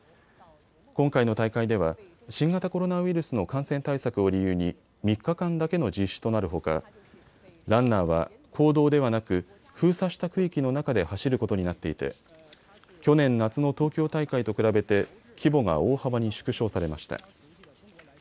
今回の大会では新型コロナウイルスの感染対策を理由に３日間だけの実施となるほかランナーは公道ではなく封鎖した区域の中で走ることになっていて去年夏の東京大会と比べて規模が大幅に縮小されました。